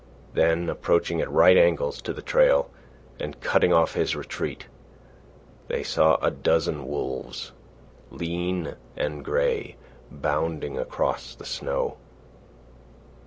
Then, approaching at right angles to the trail and cutting off his retreat they saw a dozen wolves, lean and grey, bounding across the snow.